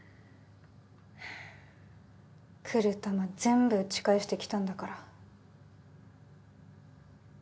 来る球全部打ち返してきたんだから。